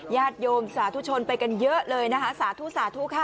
ญาติโยมสาธุชนไปกันเยอะเลยนะคะสาธุสาธุค่ะ